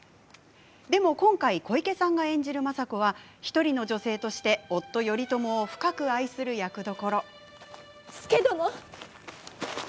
でも今回小池さんが演じる政子は１人の女性として夫、頼朝を深く愛する役どころ。